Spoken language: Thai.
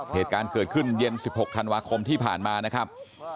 เหตุการณ์เกิดขึ้นเย็น๑๖ธันวาคมที่ผ่านมานะครับ